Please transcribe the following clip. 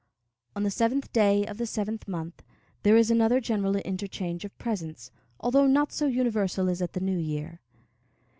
On the seventh day of the seventh month, there is another general interchange of presents, although not so universal as at the New Year.